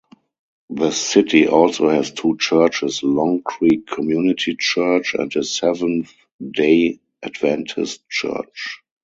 The city also has two churches-Long Creek Community Church and a Seventh-day Adventist Church.